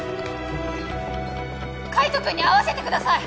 海斗君に会わせてください！